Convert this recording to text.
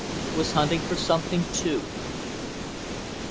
was hunting for something too.